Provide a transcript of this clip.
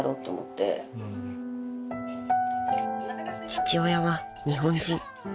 ［父親は日本人］